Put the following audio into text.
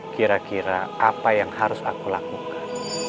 kira kira apa yang harus aku lakukan